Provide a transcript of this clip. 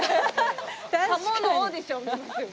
カモのオーディション見れますよ